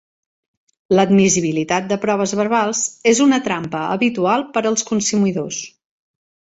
L'admissibilitat de proves verbals és una trampa habitual per als consumidors.